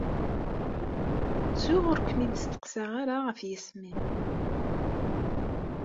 Ttuɣ ur kem-id-steqsaɣ ara isem-im.